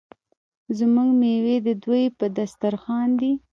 زموږ میوې د دوی په دسترخان دي.